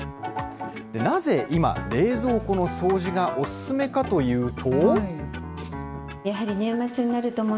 なぜ今、冷蔵庫の掃除がおすすめかというと。